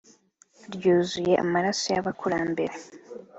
ryuzuye amaraso y’abakurambere